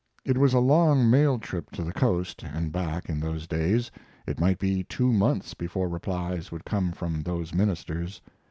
It was a long mail trip to the Coast and back in those days. It might be two months before replies would come from those ministers.